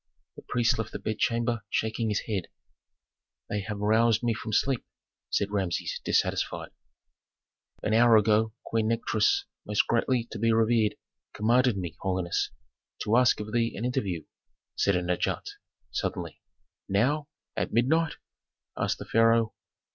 The priest left the bedchamber shaking his head. "They have roused me from sleep!" said Rameses, dissatisfied. "An hour ago Queen Nikotris, most greatly to be revered, commanded me, holiness, to ask of thee an interview," said an adjutant, suddenly. "Now? At midnight?" asked the pharaoh.